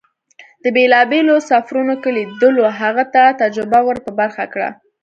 په بېلابېلو سفرون کې لیدنو هغه ته تجربه ور په برخه کړه.